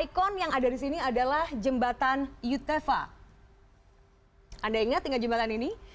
ikon yang ada di sini adalah jembatan yutefa anda ingat dengan jembatan ini